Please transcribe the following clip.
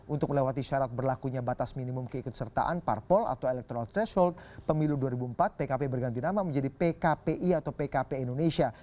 untuk melewati syarat berlakunya batas minimum keikutsertaan parpol atau electoral threshold pemilu dua ribu empat pkp berganti nama menjadi pkpi atau pkp indonesia